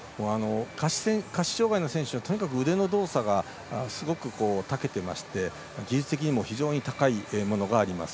下肢障がいの選手はとにかく、腕の動作がたけてまして技術的にも非常に高いものがあります。